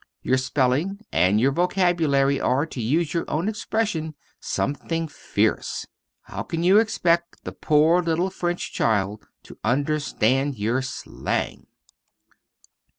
Your spelling and your vocabulary are, to use your own expression, 'something fierce;' how can you expect the poor little French child to understand your slang?"